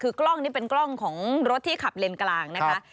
คือกล้องนี้เป็นกล้องของรถที่ขับเลนกลางนะคะ